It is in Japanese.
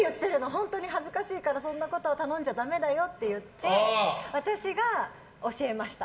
本当に恥ずかしいからそんなことを頼んじゃだめだよって言って私が教えました。